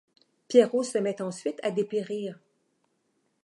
Pierrot se met ensuite à dépérir.